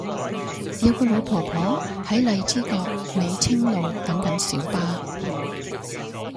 有個老婆婆喺荔枝角美青路等緊小巴